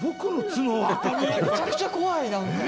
「めちゃくちゃ怖いなんか」